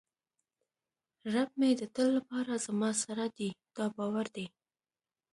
رب مې د تل لپاره زما سره دی دا باور دی.